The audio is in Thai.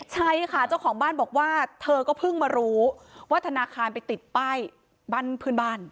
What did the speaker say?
ใช่ค่ะเจ้าของบ้านบอกว่าเธอก็เพิ่งมารู้ว่าธนาคารไปติดป้ายบ้านเพื่อนบ้าน